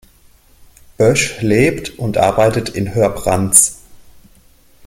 Bösch lebt und arbeitet in Hörbranz.